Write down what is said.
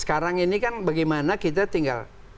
sekarang ini kan bagaimana kita tinggal